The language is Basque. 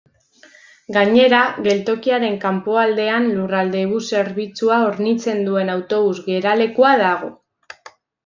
Gainera, geltokiaren kanpoaldean Lurraldebus zerbitzua hornitzen duen autobus geralekua dago.